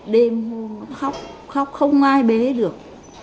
đêm khóc khóc không ai bế được